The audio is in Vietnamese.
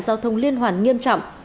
giao thông liên hoàn nghiêm trọng